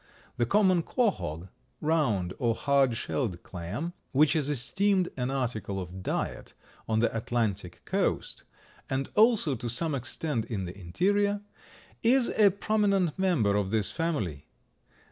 The common quahaug (round or hard shelled clam), which is esteemed an article of diet on the Atlantic coast, and also to some extent in the interior, is a prominent member of this family.